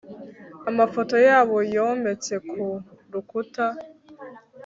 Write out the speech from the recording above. amafoto yabo yometse ku rukuta